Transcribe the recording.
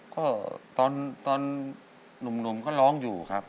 ก็ตอนหนุ่มก็ร้องอยู่ครับ